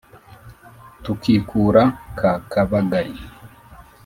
tukikura ka kabagari